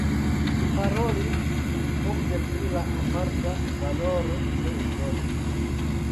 Li parolis ofte pri la aparta valoro de Usono.